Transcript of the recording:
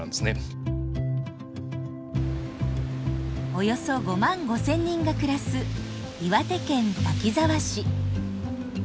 およそ５万５，０００人が暮らす岩手県滝沢市。